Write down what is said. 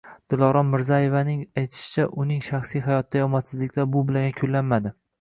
Dilorom Mirzayevaning aytishicha, uning shaxsiy hayotidagi omadsizliklar bu bilan yakunlanmadi